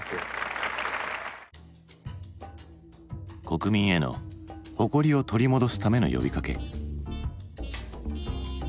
国民への誇りを取り戻すための呼びかけ。